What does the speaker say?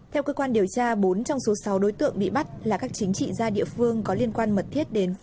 theo cơ quan điều tra bốn trong số sáu đối tượng bị bắt là các chính trị gia địa phương có liên quan mật thiết đến